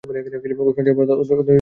ওসমান সাহেব অত্যন্ত শক্ত ধরনের মানুষ।